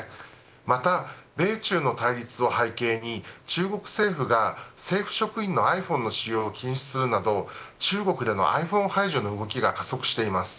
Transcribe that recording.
また、米中の対立を背景に中国政府が政府職員のｉＰｈｏｎｅの使用を禁止するなど中国でのｉＰｈｏｎｅ排除の動きが加速しています。